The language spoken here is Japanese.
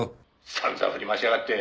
「散々振り回しやがって」